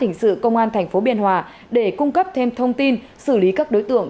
hình sự công an tp biên hòa để cung cấp thêm thông tin xử lý các đối tượng